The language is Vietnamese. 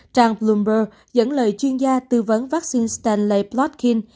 trang bloomberg dẫn lời chuyên gia tư vấn vaccine stanley plotkin